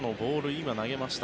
今、投げました。